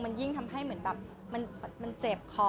มันยิ่งทำให้เหมือนแบบมันเจ็บคอ